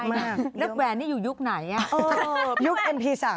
นักแวนนี่อยู่ยุคไหนเนี่ย